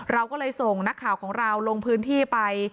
เราก็เลยส่งนักข่าวของเราลงพื้นที่ไป